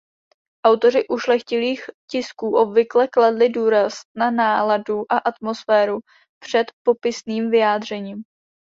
Autoři ušlechtilých tisků obvykle kladli důraz na náladu a atmosféru před popisným vyjádřením.